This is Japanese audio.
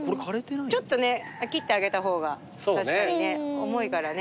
ちょっとね切ってあげた方が確かにね重いからね。